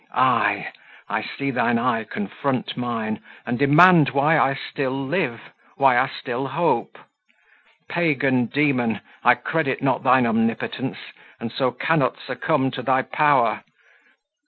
Ay; I see thine eye confront mine and demand why I still live, why I still hope. Pagan demon, I credit not thine omnipotence, and so cannot succumb to thy power.